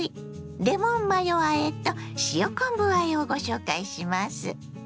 レモンマヨあえと塩昆布あえをご紹介します。